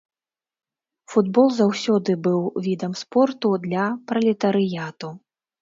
Футбол заўсёды быў відам спорту для пралетарыяту.